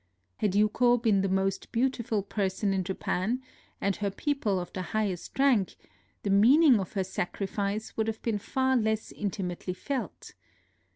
Had Yuko been the most beautiful person in Japan, and her people of the highest rank, the meaning of her sacrifice would have been far less inti mately felt.